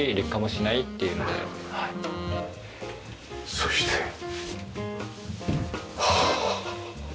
そして。はあ！